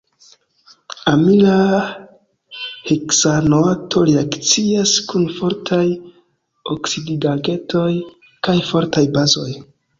Amila heksanoato reakcias kun fortaj oksidigagentoj kaj fortaj bazoj.